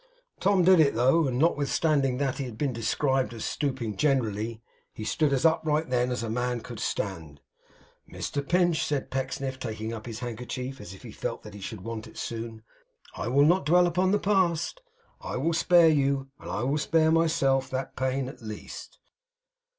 Tom did it though; and notwithstanding that he has been described as stooping generally, he stood as upright then as man could stand. 'Mr Pinch,' said Pecksniff, taking up his handkerchief, as if he felt that he should want it soon, 'I will not dwell upon the past. I will spare you, and I will spare myself, that pain at least.